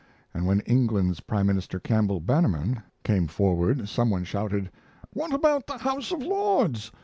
and when England's Prime Minister Campbell Bannerman came forward some one shouted, "What about the House of Lords?"